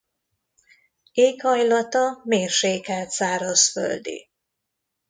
Éghajlata mérsékelt szárazföldi.